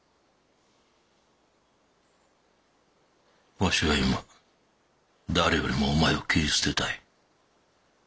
わしは今誰よりもお前を斬り捨てたい。